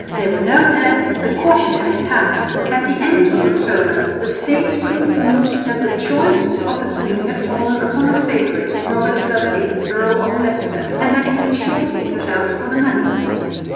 They were known as "the cautionary towns." At the end of October the States were informed that the choice of the queen had fallen upon her favourite, Robert Dudley, Earl of Leicester, and that he would shortly set out for the Netherlands.